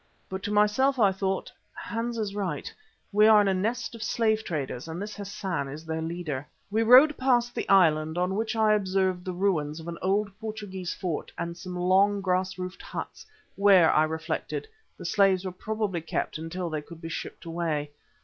But to myself I thought, Hans is right, we are in a nest of slave traders, and this Hassan is their leader. We rowed past the island, on which I observed the ruins of an old Portuguese fort and some long grass roofed huts, where, I reflected, the slaves were probably kept until they could be shipped away.